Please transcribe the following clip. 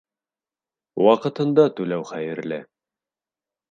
Ваҡытында түләү хәйерле